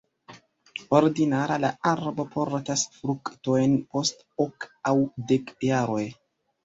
Ordinara la arbo portas fruktojn post ok aŭ dek jaroj.